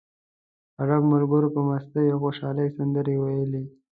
عرب ملګرو په مستۍ او خوشالۍ سندرې وویلې.